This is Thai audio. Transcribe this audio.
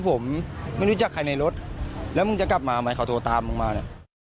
ผมไม่รู้จักใครในรถแล้วมึงจะกลับมาไหมเขาโทรตามมึงมาเนี่ย